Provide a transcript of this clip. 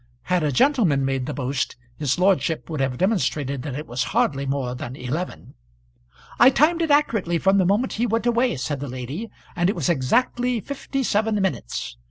Had a gentleman made the boast his lordship would have demonstrated that it was hardly more than eleven. "I timed it accurately from the moment he went away," said the lady, "and it was exactly fifty seven minutes.